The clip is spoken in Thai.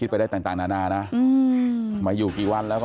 แต่ก็อาจจะทำบุญให้เขา